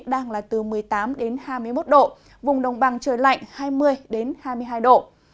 đang là từ một mươi tám đến hai mươi một độ vùng đồng bằng trời lạnh hai mươi hai mươi hai độ